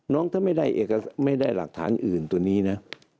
ถ้าไม่ได้หลักฐานอื่นตัวนี้นะ